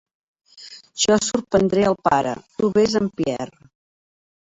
Jo sorprendré el pare, tu ves amb Pierre.